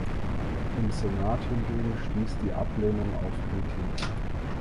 Im Senat hingegen stieß die Ablehnung auf Kritik.